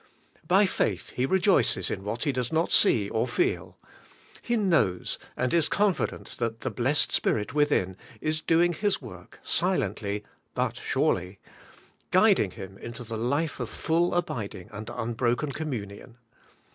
By faith he rejoices in what he does not see or feel: he knows, and is confident that the blessed Spirit within is doing His work silently but surely, guiding him into the life of full abiding and unbroken communion.